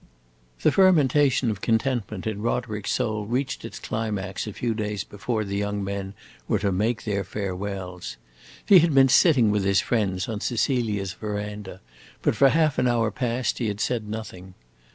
The fermentation of contentment in Roderick's soul reached its climax a few days before the young men were to make their farewells. He had been sitting with his friends on Cecilia's veranda, but for half an hour past he had said nothing.